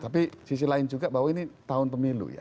tapi sisi lain juga bahwa ini tahun pemilu ya